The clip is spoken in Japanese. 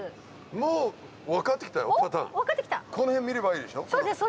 この辺見ればいいでしょ。